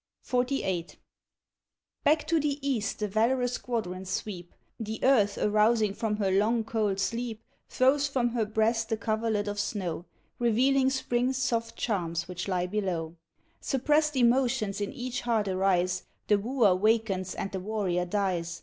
XLIX. Back to the East the valorous squadrons sweep; The earth, arousing from her long, cold sleep, Throws from her breast the coverlet of snow, Revealing Spring's soft charms which lie below. Suppressed emotions in each heart arise, The wooer wakens and the warrior dies.